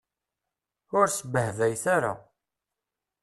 Ur sbehbayet ara.